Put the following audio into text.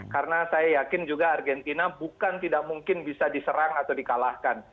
karena saya yakin juga argentina bukan tidak mungkin bisa diserang atau dikalahkan